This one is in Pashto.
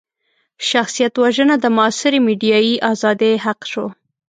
شخصيت وژنه د معاصرې ميډيايي ازادۍ حق شو.